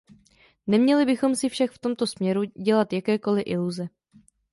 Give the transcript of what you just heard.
Neměli bychom si však v tomto směru dělat jakékoli iluze.